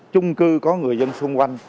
chung cư có người dân xung quanh